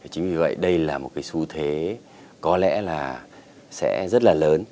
chính vì vậy đây là một cái xu thế có lẽ là sẽ rất là lớn